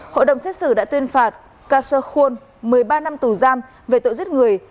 hội đồng xét xử đã tuyên phạt kasho khuôn một mươi ba năm tù giam về tội giết người